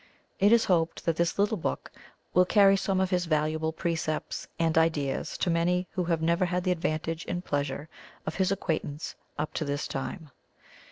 It is hoped that this little book will carry some of his valuable precepts and ideas to many who have never had the advantage and pleasure of his acquaintance up to this time.